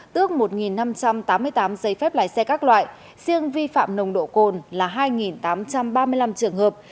tước một năm trăm tám mươi tám giấy phép lái xe các loại riêng vi phạm nồng độ cồn là hai tám trăm ba mươi năm trường hợp